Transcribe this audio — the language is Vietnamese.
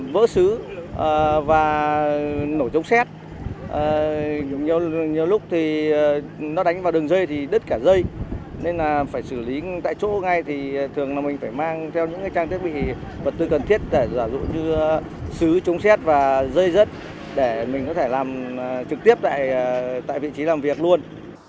vật tư cần thiết để giả dụ như xứ trúng xét và rơi rớt để mình có thể làm trực tiếp tại vị trí làm việc luôn